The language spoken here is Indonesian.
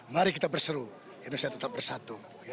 mari kita berseru indonesia tetap bersatu